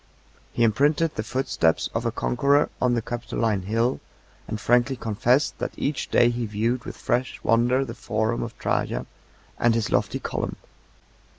He imprinted the footsteps of a conqueror on the Capitoline hill, and frankly confessed that each day he viewed with fresh wonder the forum of Trajan and his lofty column.